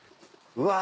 うわ！